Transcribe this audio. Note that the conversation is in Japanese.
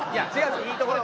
いいところ！